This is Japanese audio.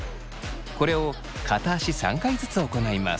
これを片足３回ずつ行います。